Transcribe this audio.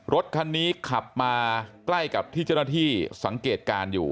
รถคันนี้ขับมาใกล้กับที่เจ้าหน้าที่สังเกตการณ์อยู่